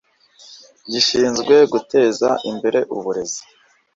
gishinzwe guteza imbere uburezi